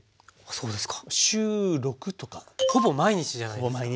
そうですか。